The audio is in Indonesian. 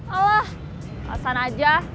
alah alasan aja